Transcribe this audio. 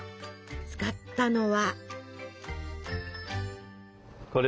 使ったのは？